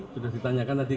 sudah ditanyakan tadi kan